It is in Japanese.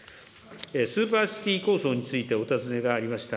スーパーシティ構想についてお尋ねがありました。